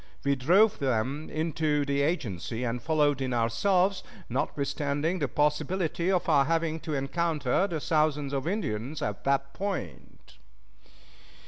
We drove them into the agency, and followed in ourselves, notwithstanding the possibility of our having to encounter the thousands of Indians at that point.